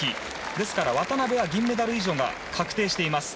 ですから渡部は銀メダル以上が確定しています。